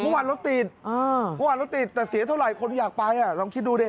เมื่อวานรถติดแต่เสียเท่าไรคนอยากไปลองคิดดู